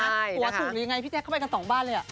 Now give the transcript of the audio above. ครัวถูกเลยไงพี่เจ๊เข้าไปกันสองบ้านเลย